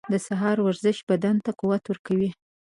• د سهار ورزش بدن ته قوت ورکوي.